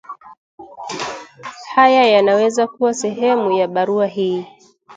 Haya yanaweza kuwa sehemu ya barua hii